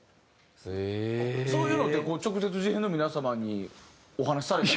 そういうのってこう直接事変の皆様にお話しされたり？